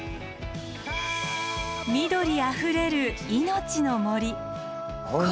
緑あふれる命の森。